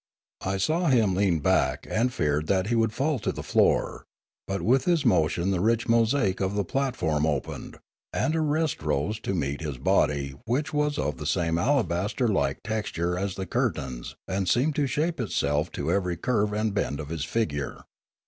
I saw him lean back, and feared that he would fall to the floor; but with his motion the rich mosaic of the platform opened, and a rest rose to meet his body which was of the same alabaster like texture as the curtains and seemed to shape itself to every curve and bend of his figure.